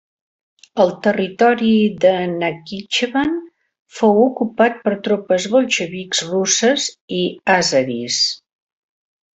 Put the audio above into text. El territori de Nakhitxevan fou ocupat per tropes bolxevics russes i àzeris.